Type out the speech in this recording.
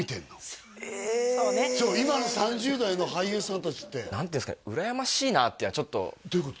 今の３０代の俳優さん達って何ていうんですかね羨ましいなっていうのはちょっとどういうこと？